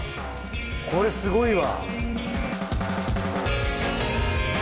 これすごいわ！